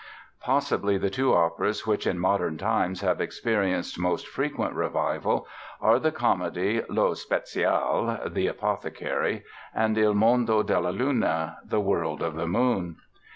Possibly the two operas which in modern times have experienced most frequent revival are the comedy, "Lo Speziale" ("The Apothecary") and "Il Mondo della Luna" ("The World of the Moon").